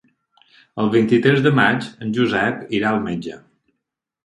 El vint-i-tres de maig en Josep irà al metge.